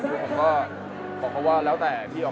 คือวาเขาโอเคผมก็โอเคผมสัมภาษณ์ก็ได้ครับ